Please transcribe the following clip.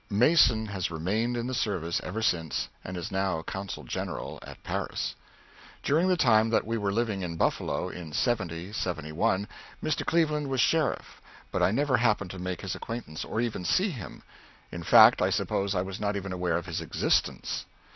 Mason has remained in the service ever since, and is now consul general at Paris. During the time that we were living in Buffalo in '70 '71, Mr. Cleveland was sheriff, but I never happened to make his acquaintance, or even see him. In fact, I suppose I was not even aware of his existence.